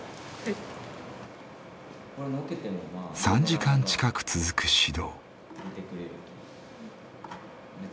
３時間近く続く指導。